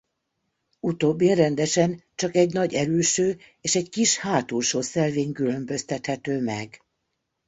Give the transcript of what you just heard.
Utóbbin rendesen csak egy nagy elülső és egy kis hátulsó szelvény különböztethető meg.